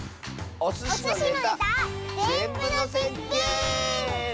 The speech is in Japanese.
おすしのネタぜんぶのせゲーム！